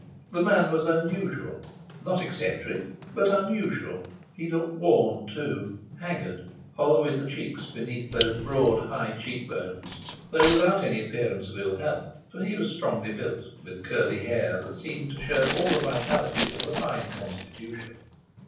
The man was unusual, not eccentric, but unusual; he looked worn, too, haggard, hollow in the cheeks beneath those broad, high cheekbones, though without any appearance of ill health, for he was strongly built, with curly hair that seemed to show all the vitality of a fine constitution.